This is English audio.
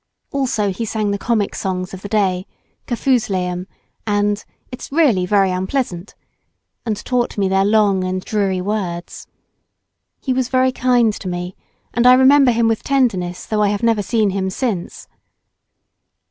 Also he sang the comic songs of the day, "Kafoozleum" and "It's really very unpleasant," and taught me their long and dreary words. He was very kind to me, and I remember him with tenderness though I have never seen him since.